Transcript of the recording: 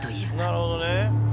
なるほどね。